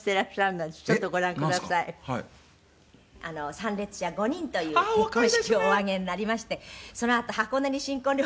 「参列者５人という結婚式をお挙げになりましてそのあと箱根に新婚旅行に」